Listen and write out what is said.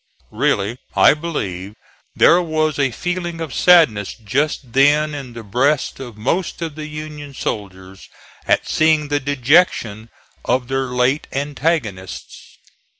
Really, I believe there was a feeling of sadness just then in the breasts of most of the Union soldiers at seeing the dejection of their late antagonists.